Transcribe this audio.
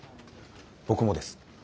僕もです。